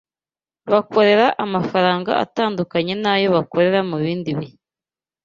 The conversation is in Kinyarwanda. bakorera amafaranga atandukanye n’ayo bakorera mu bindi bihe